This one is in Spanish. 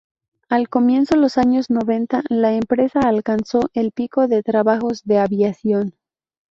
Al comienzo los años noventa, la empresa alcanzó el pico de trabajos de aviación.